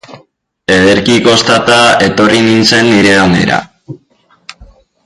Ederki kostata etorri nintzen nire onera.